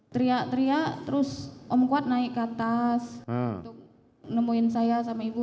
teriak teriak terus om kuat naik ke atas untuk nemuin saya sama ibu